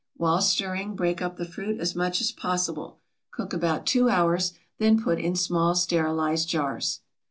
While stirring, break up the fruit as much as possible. Cook about two hours, then put in small sterilized jars.